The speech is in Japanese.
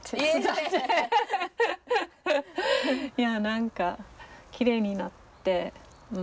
何かきれいになって。